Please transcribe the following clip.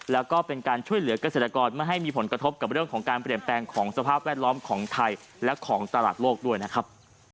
แล้วก็เป็นการช่วยเหลือกเกษตรกรไม่ให้มีผลกระทบกับเรื่องของการเปลี่ยนแปลงของสภาพแวดล้อมของไทยและของตลาดโลกด้วยนะครับ